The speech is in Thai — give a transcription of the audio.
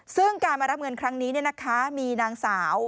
ซึ่งการมารับเงินครั้งนี้มีนางสาว